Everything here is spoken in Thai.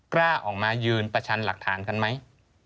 กล้าออกมายืนประชันหลักฐานกันไหม